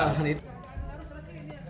korban n meninggal dunia